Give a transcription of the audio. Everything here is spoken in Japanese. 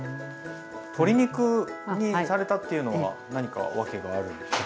鶏肉にされたっていうのは何か訳があるんですか？